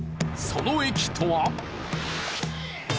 その駅とは。